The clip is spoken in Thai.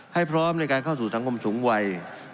พร้อมในการเข้าสู่สังคมสูงวัย